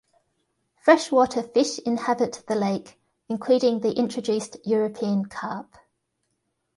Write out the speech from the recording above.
Freshwater fish inhabit the lake, including the introduced European carp.